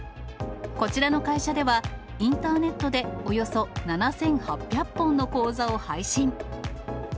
こちらの会社では、インターネットでおよそ７８００本の講座を配信。